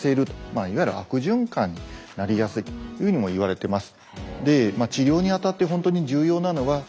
いわゆる悪循環になりやすいというふうにもいわれてます。